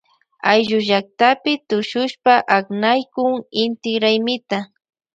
Ayllullaktapi tushushpa aknaykun inti raymita.